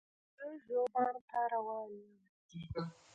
زه ژوبڼ ته روان یم.